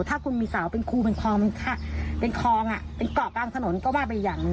ถ้าคุณมีเสาเป็นครูเป็นคองเป็นกรอกกลางถนนก็ว่าไปอย่างนึง